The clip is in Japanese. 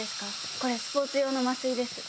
これスポーツ用の麻酔です。